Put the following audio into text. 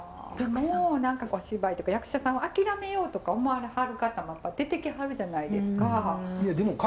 お芝居とか役者さんを諦めようとか思わはる方も出てきはるじゃないですか。